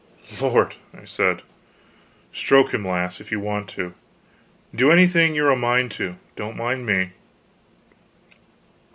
"Lord," I said, "stroke him, lass, if you want to. Do anything you're a mind to; don't mind me."